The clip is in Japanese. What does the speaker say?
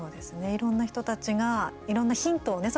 いろんな人たちがいろんなヒントをね